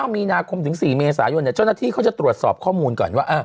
มีนาคมถึง๔เมษายนเจ้าหน้าที่เขาจะตรวจสอบข้อมูลก่อนว่า